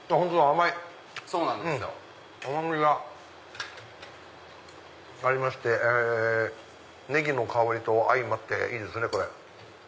甘みがありましてネギの香りと相まっていいですねこれ。